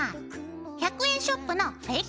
１００円ショップのフェイク